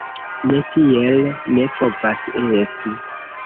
Ne, tiel ne povas esti!